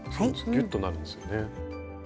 ぎゅっとなるんですよね。